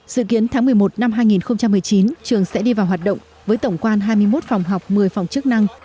dự kiến tháng một mươi một năm hai nghìn một mươi chín trường sẽ đi vào hoạt động với tổng quan hai mươi một phòng học một mươi phòng chức năng